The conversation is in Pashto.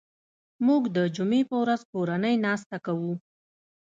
موږ د جمعې په ورځ کورنۍ ناسته کوو